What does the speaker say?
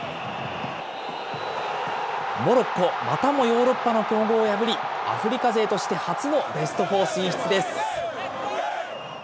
モロッコ、またもヨーロッパの強豪を破り、アフリカ勢として初のベストフォー進出です。